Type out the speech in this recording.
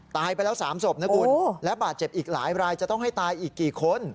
ตายไปแล้ว๓ศพนะคุณและบาดเจ็บอีกหลายรายจะต้องให้ตายอีกกี่คน